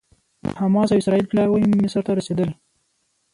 د حماس او اسرائیل پلاوي مصر ته رسېدلي